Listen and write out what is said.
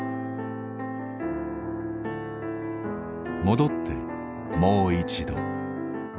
戻ってもう一度。